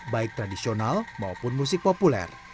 baik tradisional maupun musik populer